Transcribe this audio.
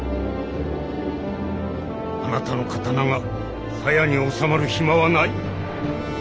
あなたの刀が鞘に納まる暇はない。